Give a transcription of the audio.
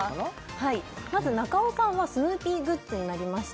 はいまず中尾さんはスヌーピーグッズになりまして